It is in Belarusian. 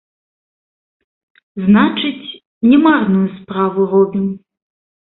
Значыць, не марную справу робім.